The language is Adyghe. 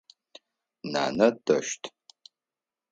Нанэ дэщт.